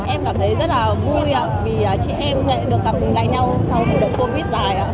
em cảm thấy rất là vui vì chị em lại được gặp lại nhau sau một đợt covid dài